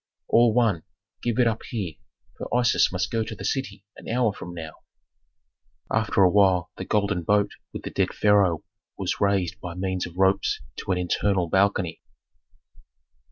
"All one give it up here, for Isis must go to the city an hour from now." After a while the golden boat with the dead pharaoh was raised by means of ropes to an internal balcony.